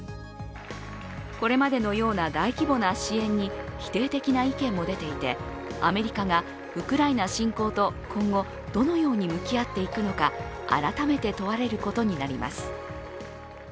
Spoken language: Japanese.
これまでのような大規模な支援に否定的な意見も出ていてアメリカがウクライナ侵攻と今後、どのように向き合っていくのか改めて問われることになります。